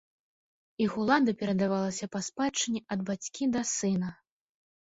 Іх улада перадавалася па спадчыне ад бацькі да сына.